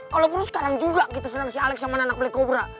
kalaupun sekarang juga kita senang si alex sama anak anak beli kobra